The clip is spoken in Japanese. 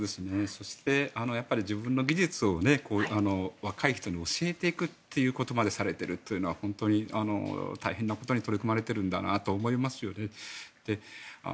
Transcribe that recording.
そして、やっぱり自分の技術を若い人に教えていくということまでされているというのは本当に大変なことに取り組まれているんだなと思いますよね。